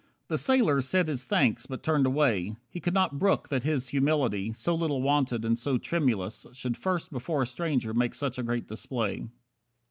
The sailor said his thanks, but turned away. He could not brook that his humility, So little wonted, and so tremulous, Should first before a stranger make such great display.